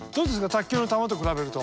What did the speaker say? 卓球の球と比べると。